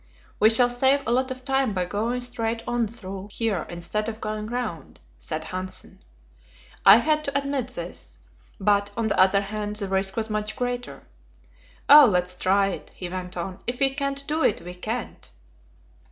"We shall save a lot of time by going straight on through here instead of going round," said Hanssen. I had to admit this; but, on the other hand, the risk was much greater. "Oh, let's try it," he went on; "if we can't do it, we can't."